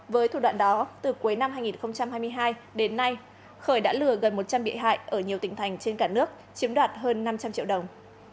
với thủ đoạn đó từ cuối năm hai nghìn hai mươi hai đến nay khởi đã lừa gần một trăm linh bị hại ở nhiều tỉnh thành trên cả nước chiếm đoạt hơn năm trăm linh triệu đồng